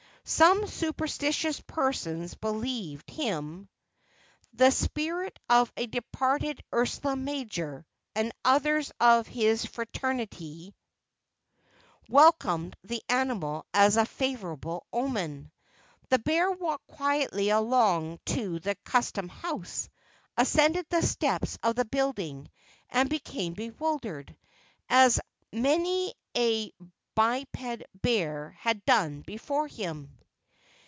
Some superstitious persons believed him the spirit of a departed Ursa Major, and others of his fraternity welcomed the animal as a favorable omen. The bear walked quietly along to the Custom House, ascended the steps of the building, and became bewildered, as many a biped bear has done before him.